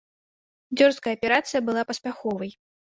Дзёрзкая аперацыя была паспяховай.